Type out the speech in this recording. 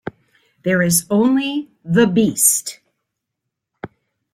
There is only the Beast"!".